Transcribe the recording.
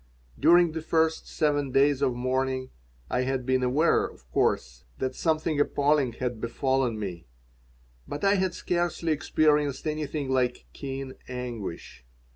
During the first seven days of mourning I had been aware, of course, that something appalling had befallen me, but I had scarcely experienced anything like keen anguish.